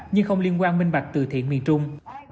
nhưng không liên quan minh bạch từ thiện miền trung